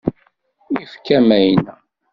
Ifka mayna.